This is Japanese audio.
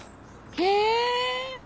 へえ。